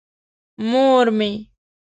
مور مې.